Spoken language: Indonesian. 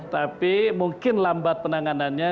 tapi mungkin lambat penanganannya